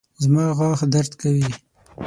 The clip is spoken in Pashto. زما غاښ درد کوي